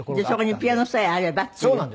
そこにピアノさえあればっていう。